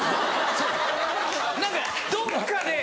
そう何かどっかで。